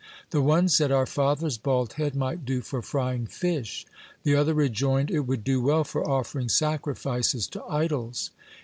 The one said: "Our father's bald head might do for frying fish." The other rejoined: "It would do well for offering sacrifices to idols."